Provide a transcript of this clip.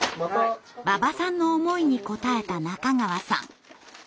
馬場さんの思いに応えた中川さん。